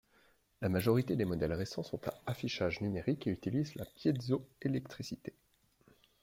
La majorité des modèles récents sont à affichage numérique et utilisent la piézoélectricité.